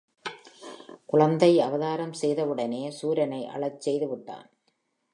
குழந்தை அவதாரம் செய்தவுடனே சூரனை அழச் செய்துவிட்டான்.